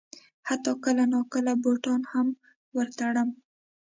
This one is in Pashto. حتی کله ناکله بوټان هم ور تړم.